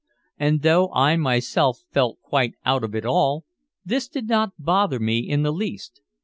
And though I myself felt quite out of it all, this did not bother me in the least.